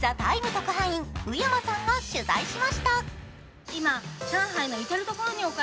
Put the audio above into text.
特派員宇山さんが取材しました。